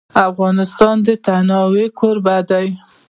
افغانستان د تنوع کوربه دی.